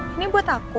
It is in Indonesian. ini buat aku